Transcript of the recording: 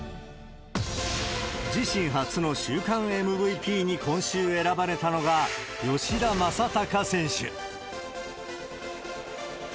自身初の週間ＭＶＰに今週、選ばれたのが、吉田正尚選手。